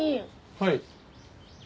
はい。